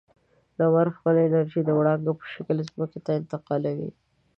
لمر خپله انرژي د وړانګو په شکل ځمکې ته انتقالوي.